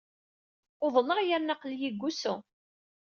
Uḍneɣ yerna aql-iyi deg wusu.